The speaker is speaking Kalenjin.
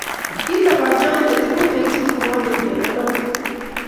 kile kanyoindet ibu beek che murwonen miondo noto